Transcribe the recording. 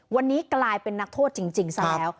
วันนี้กลายเป็นนักโทษจริงซะแล้ว